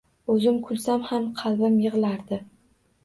Oʻzim kulsam ham qalbim yigʻlardi